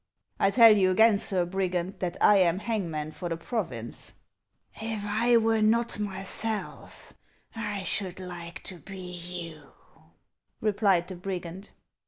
" I tell you again, Sir Brigand, that I am hangman for the province." " If I were not myself I should like to be you," replied the brigand.